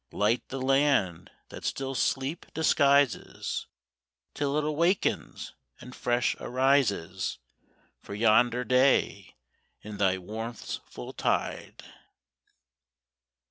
Light the land that still sleep disguises Till it awakens and fresh arises For yonder day in thy warmth's full tide!